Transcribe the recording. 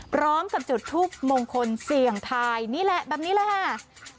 พร้อมกับจุดทูปมงคลเสี่ยงทายนี่แหละแบบนี้เลยค่ะ